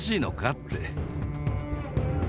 って。